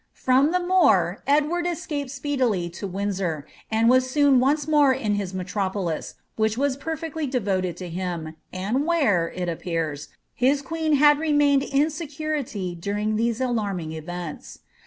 From the More, Edward escaped speedily to Windsor,' and was soon once more in his metropolis, which was perfectly devoted to him, and where, it appears, his queen had remained in security during these alarming events.